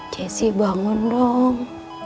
jessy bangun dong